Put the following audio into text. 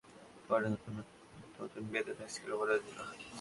Bonus নিয়েও একই ঘটনা ঘটিয়ে পরে নতুন বেতন স্কেলে বোনাস দিল।